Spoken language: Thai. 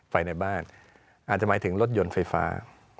ไฟในบ้านอาจจะหมายถึงรถยนต์ไฟฟ้า